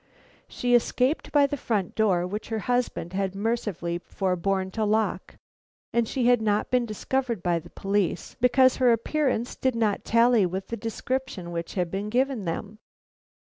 She escaped by the front door, which her husband had mercifully forborne to lock; and she had not been discovered by the police, because her appearance did not tally with the description which had been given them.